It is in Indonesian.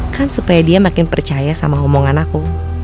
kan supaya dia makin percaya sama omongan aku